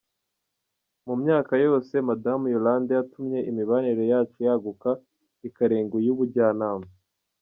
Mu myaka yose, Madamu Yolande yatumye imibanire yacu yaguka ikarenga iy’ubujyanama.